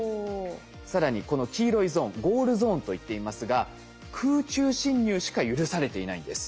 更にこの黄色いゾーンゴールゾーンと言っていますが空中侵入しか許されていないんです。